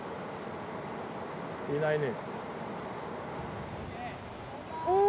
いないね。